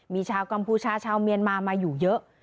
มีชาวกัมพูชาชาวเมียนมามาอยู่เยอะ